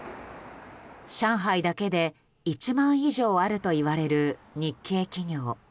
上海だけで１万以上あるといわれる日系企業。